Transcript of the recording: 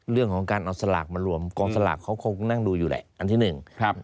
เรื่องของการเอาสลากมารวมกองสลากเขาคงนั่งดูอยู่แหละอันที่หนึ่ง